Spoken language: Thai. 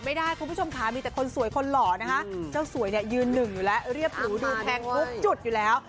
คุณผู้ชมค่ะมีแต่คนสวยคนหล่อนะคะเจ้าสวยเนี่ยยืนหนึ่งอยู่แล้วเรียบหรูดูแพงทุกจุดอยู่แล้ว